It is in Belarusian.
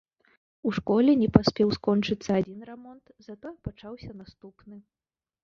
У школе не паспеў скончыцца адзін рамонт, затое пачаўся наступны.